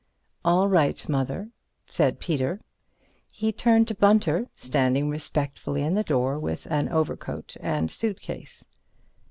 "All right, Mother," said Peter. He turned to Bunter, standing respectfully in the door with an overcoat and suitcase.